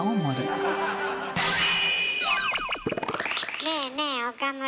ねえねえ岡村。